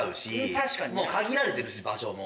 確かにな。限られてるし場所も。